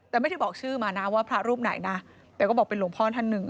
แต่ไม่ได้บอกชื่อมานะว่าพระรูปไหนนะแต่ก็บอกเป็นหลวงพ่อท่านหนึ่ง